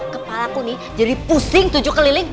kepalaku nih jadi pusing tujuh keliling